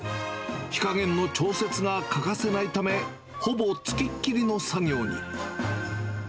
火加減の調節が欠かせないため、ほぼつきっきりの作業に。